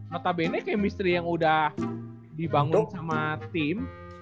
notabene chemistry yang udah dibangun sama tim